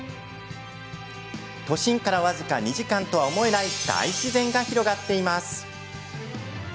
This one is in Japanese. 都心から僅か２時間とは思えない大自然が広がっています。